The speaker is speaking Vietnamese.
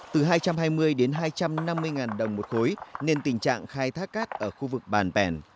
từ hai trăm hai mươi đến hai trăm năm mươi ngàn đồng một khối nên tình trạng khai thác cát ở khu vực bản bẻn